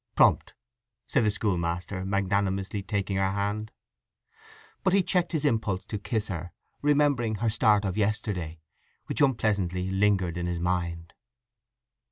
"Prompt," said the schoolmaster, magnanimously taking her hand. But he checked his impulse to kiss her, remembering her start of yesterday, which unpleasantly lingered in his mind.